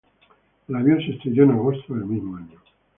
El avión se estrelló en agosto del mismo año.